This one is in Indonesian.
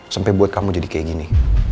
sampai buat kamu jadi kayak gini